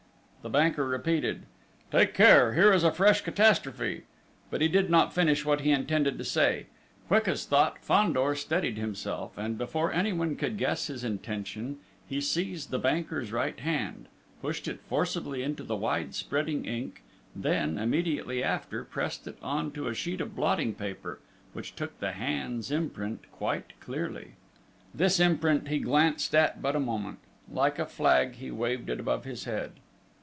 The banker repeated: "Take care!... Here is a fresh catastrophe!..." But he did not finish what he intended to say! Quick as thought, Fandor steadied himself, and before anyone could guess his intention he seized the banker's right hand, pushed it forcibly into the wide spreading ink, then, immediately after, pressed it on to a sheet of blotting paper which took the hand's imprint quite clearly.... This imprint he glanced at but a moment.... Like a flag, he waved it above his head!